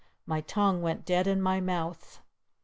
My tongue went dead in my mouth!